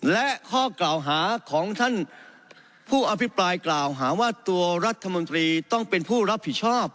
และข้อกล่าวหาของท่านผู้อภิปรายกล่าวหาว่าตัวรัฐมนตรีต้องเป็นผู้รับผิดชอบ